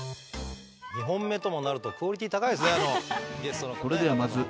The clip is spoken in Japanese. ２本目ともなるとクオリティー高いですね。